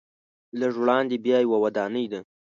لږ وړاندې بیا یوه ودانۍ ده.